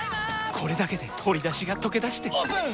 これだけで鶏だしがとけだしてオープン！